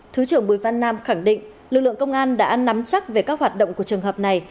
thứ trưởng bùi văn nam khẳng định lực lượng công an đã nắm chắc về các hoạt động của trường hợp này